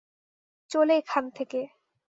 চলে এখান থেকে!